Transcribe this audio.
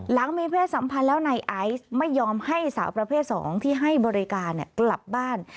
มีเพศสัมพันธ์แล้วนายไอซ์ไม่ยอมให้สาวประเภท๒ที่ให้บริการกลับบ้าน